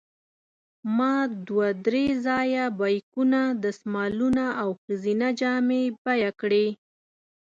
ما دوه درې ځایه بیکونه، دستمالونه او ښځینه جامې بیه کړې.